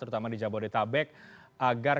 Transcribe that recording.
terutama di jabodetabek agar